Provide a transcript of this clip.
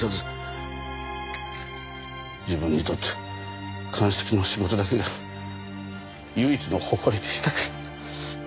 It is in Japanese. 自分にとって鑑識の仕事だけが唯一の誇りでしたから。